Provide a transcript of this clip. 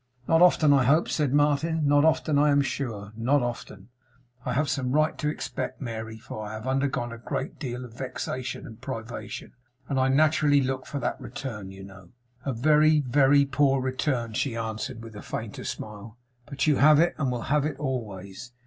'Not often, I hope,' said Martin. 'Not often, I am sure. Not often, I have some right to expect, Mary; for I have undergone a great deal of vexation and privation, and I naturally look for that return, you know.' 'A very, very poor return,' she answered with a fainter smile. 'But you have it, and will have it always.